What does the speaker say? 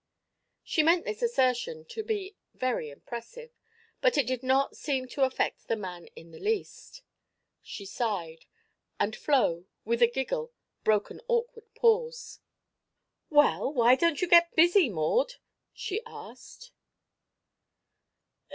She meant this assertion to be very impressive, but it did not seem to affect the man in the least. She sighed, and Flo, with a giggle, broke an awkward pause. "Well, why don't you get busy. Maud?" she asked.